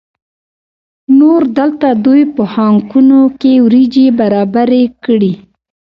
نور دلته دوی په خانکونو کې وریجې برابرې کړې.